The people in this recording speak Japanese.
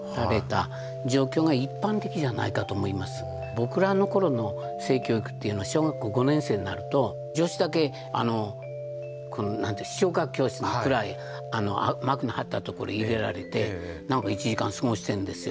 僕らの頃の性教育っていうのは小学校５年生になると女子だけ視聴覚教室の暗い幕の張ったところ入れられてなんか１時間過ごしてるんですよ。